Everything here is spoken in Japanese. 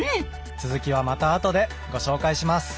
続きはまた後でご紹介します。